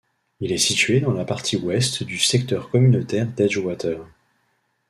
Il est situé dans la partie ouest du secteur communautaire d'Edgewater.